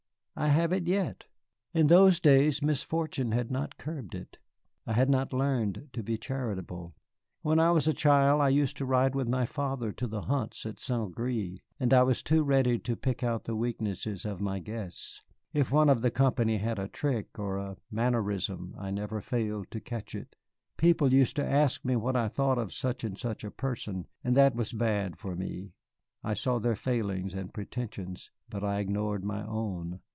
"I have it yet. In those days misfortune had not curbed it. I had not learned to be charitable. When I was a child I used to ride with my father to the hunts at St. Gré, and I was too ready to pick out the weaknesses of his guests. If one of the company had a trick or a mannerism, I never failed to catch it. People used to ask me what I thought of such and such a person, and that was bad for me. I saw their failings and pretensions, but I ignored my own.